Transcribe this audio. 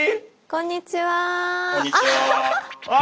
こんにちは。